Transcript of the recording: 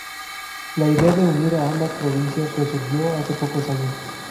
La idea de unir a ambas provincias resurgió hace pocos años.